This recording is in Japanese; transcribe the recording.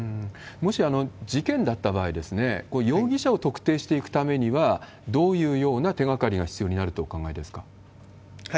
もし事件だった場合、これ、容疑者を特定していくためには、どういうような手がかりが必要になるとお考えですか？